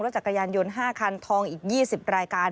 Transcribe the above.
จักรยานยนต์๕คันทองอีก๒๐รายการ